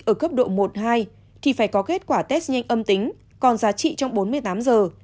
ở cấp độ một hai thì phải có kết quả test nhanh âm tính còn giá trị trong bốn mươi tám giờ